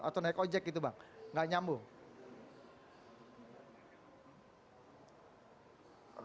atau naik ojek gitu bang nggak nyambung